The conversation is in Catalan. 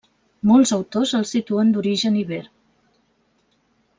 Molts autors els situen d'origen iber.